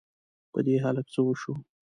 په دې هلک څه وشوو؟!